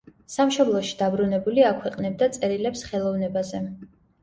სამშობლოში დაბრუნებული აქვეყნებდა წერილებს ხელოვნებაზე.